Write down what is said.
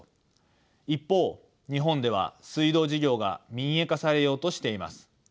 一方日本では水道事業が民営化されようとしています。